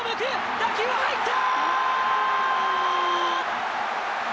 打球は入った！